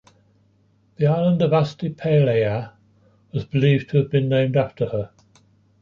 The island of Astypalaia was believed to have been named after her.